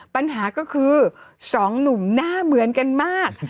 ปัญหาก็คือสองหนุ่มหน้าเหมือนกันมาก